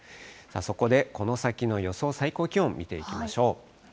そこでこの先の予想最高気温見ていきましょう。